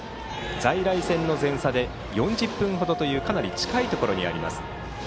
在来線の電車で４０分程というかなり近いところにあります。